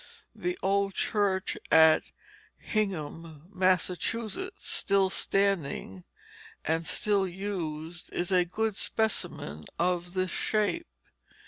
The old church at Hingham, Massachusetts, still standing and still used, is a good specimen of this shape.